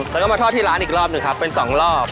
แล้วก็มาทอดที่ร้านอีกรอบหนึ่งครับเป็นสองรอบ